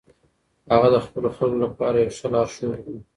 هغه د خپلو خلکو لپاره یو ښه لارښود و.